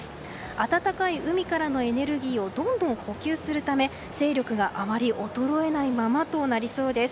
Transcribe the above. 暖かい海からのエネルギーをどんどん補給するため勢力があまり衰えないままになりそうです。